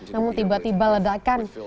namun tiba tiba ledakan